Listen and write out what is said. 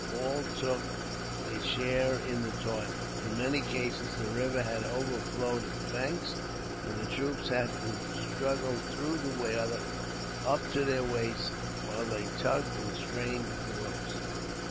All took a share in the toil. In many cases the river had overflowed its banks, and the troops had to struggle through the water, up to their waists, while they tugged and strained at the ropes.